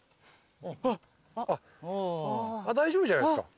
大丈夫じゃないですか。